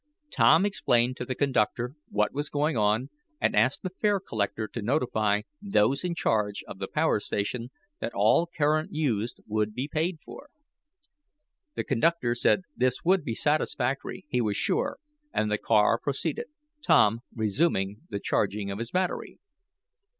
Tom explained to the conductor what was going on, and asked the fare collector to notify those in charge of the power station that all current used would be paid for. The conductor said this would be satisfactory, he was sure, and the car proceeded, Tom resuming the charging of his battery.